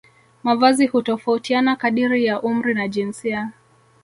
Mavazi hutofautiana kadiri ya umri na jinsia